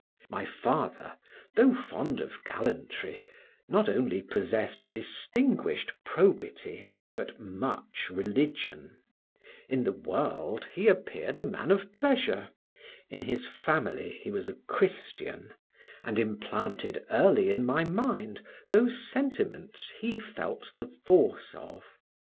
My father (though fond of gallantry) not only possessed distinguished probity, but much religion; in the world he appeared a man of pleasure, in his family he was a Christian, and implanted early in my mind those sentiments he felt the force of.